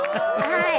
はい。